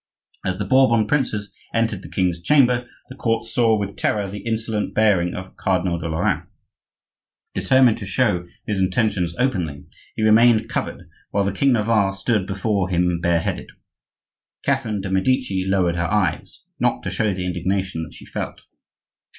As the Bourbon princes entered the king's chamber, the court saw with terror the insolent bearing of Cardinal de Lorraine. Determined to show his intentions openly, he remained covered, while the king of Navarre stood before him bare headed. Catherine de' Medici lowered her eyes, not to show the indignation that she felt.